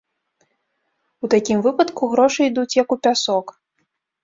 У такім выпадку грошы ідуць, як у пясок.